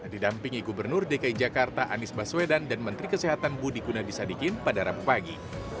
didampingi gubernur dki jakarta anies baswedan dan menteri kesehatan budi gunadisadikin pada rabu pagi